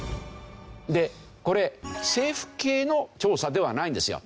でこれ政府系の調査ではないんですよ。